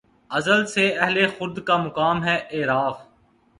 ازل سے اہل خرد کا مقام ہے اعراف